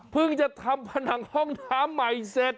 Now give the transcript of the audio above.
จะทำผนังห้องน้ำใหม่เสร็จ